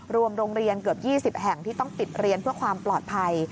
โรงเรียนเกือบ๒๐แห่งที่ต้องปิดเรียนเพื่อความปลอดภัย